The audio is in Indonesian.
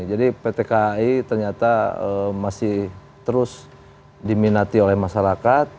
jadi pt kai ternyata masih terus diminati oleh masyarakat